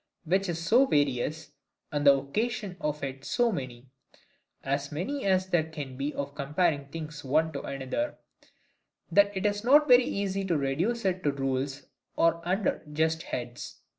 Which is so various, and the occasions of it so many, (as many as there can be of comparing things one to another,) that it is not very easy to reduce it to rules, or under just heads.